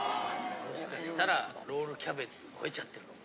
もしかしたらロールキャベツ超えちゃってるかも。